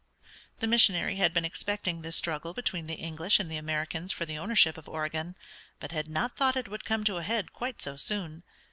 The missionary had been expecting this struggle between the English and the Americans for the ownership of Oregon, but had not thought it would come to a head quite so soon.